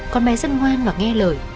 con bé rất ngoan và nghe lời